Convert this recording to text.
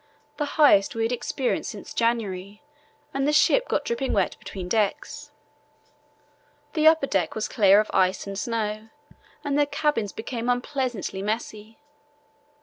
the highest we had experienced since January, and the ship got dripping wet between decks. The upper deck was clear of ice and snow and the cabins became unpleasantly messy.